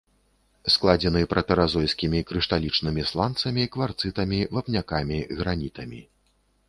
Складзены пратэразойскімі крышталічнымі сланцамі, кварцытамі, вапнякамі, гранітамі.